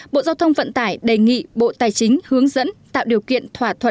bộ giao thông vận tải đề nghị bộ tài chính hướng dẫn tạo điều kiện thỏa thuận